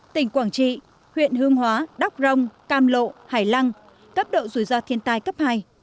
tỉnh quảng trị huyện hương hóa đắc rông cam lộ hải lăng cấp độ rủi ro thiên tai cấp hai